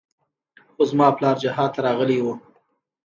خو زما پلار جهاد ته راغلى و.